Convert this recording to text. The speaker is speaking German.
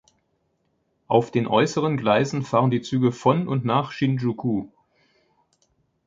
Auf den äußeren Gleisen fahren die Züge von und nach Shinjuku.